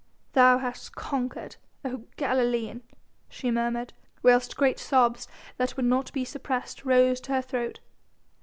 "Thou hast conquered, oh Galilean!" she murmured, whilst great sobs that would not be suppressed rose to her throat.